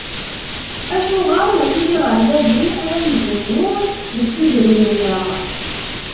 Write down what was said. Acuɣer mačči d iɣerbazen ara nbennu deg tudrin-nneɣ?